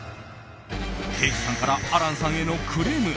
啓司さんから亜嵐さんへのクレーム。